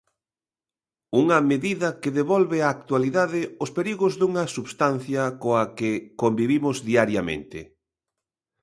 Unha medida que devolve á actualidade os perigos dunha substancia coa que convivimos diariamente.